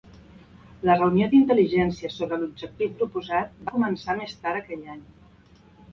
La reunió d'intel·ligència sobre l'objectiu proposat, va començar més tard aquell any.